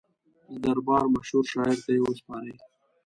د دربار مشهور شاعر ته یې وسپاري.